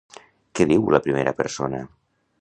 Què diu la primera persona?